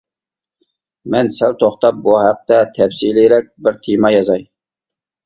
مەن سەل توختاپ بۇ ھەقتە تەپسىلىيرەك بىر تېما يازاي.